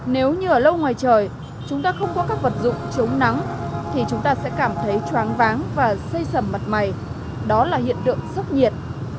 nếu như ở lâu ngoài trời chúng ta không có các vật dụng chống nắng thì chúng ta sẽ cảm thấy choáng váng và xây sầm mặt mày đó là hiện tượng sốc nhiệt